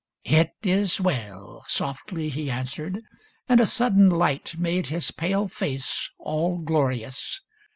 '' It is well," Softly he answered, and a sudden light Made his pale face all glorious.